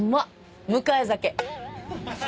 迎え酒。